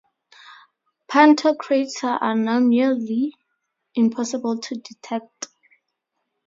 Pantokrator are now nearly impossible to detect.